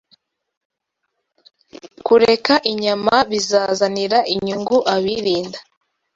Kureka inyama bizazanira inyungu abirinda